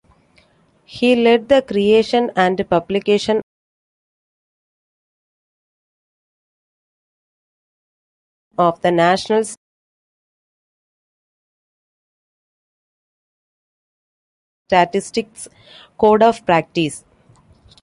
He led the creation and publication of the National Statistics Code of Practice.